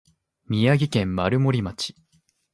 宮城県丸森町